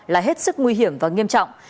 là hết sức nguy hiểm và nghiêm trọng